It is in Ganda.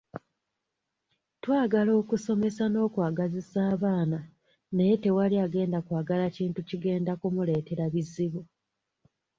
Twagala okusomesa n’okwagazisa abaana naye tewali agenda kwagala kintu kigenda kumuleetera bizibu.